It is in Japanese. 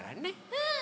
うん！